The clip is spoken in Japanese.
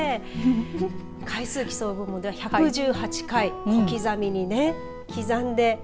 回数を競う部門では１１８回小刻みにね刻んで。